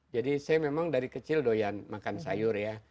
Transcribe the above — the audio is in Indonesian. jadi saya memang dari kecil doyan makan sayur ya